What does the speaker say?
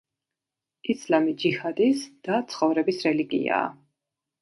ისლამი ჯიჰადის და ცხოვრების რელიგიაა.